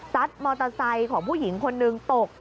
มอเตอร์ไซค์ของผู้หญิงคนนึงตก